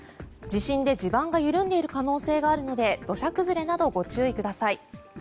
地震で地盤が緩んでいる可能性があるので土砂崩れなどご注意ください。